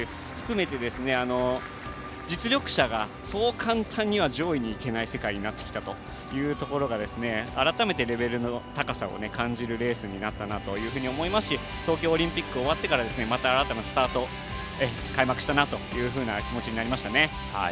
改めて、桐生選手とデーデーブルーノ選手含めて実力者がそう簡単には上位にはいけない世界になってきたというところが改めて、レベルの高さを感じるレースになったなと思いますし東京オリンピック終わってから新たなスタート開幕したなという気持ちになりました。